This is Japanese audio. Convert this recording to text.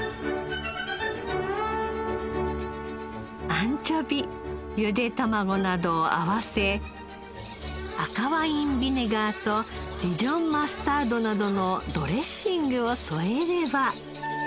アンチョビゆで卵などを合わせ赤ワインビネガーとディジョンマスタードなどのドレッシングを添えれば。